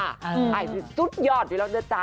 อายสุดยอดทีแล้วเดี๋ยวจ้า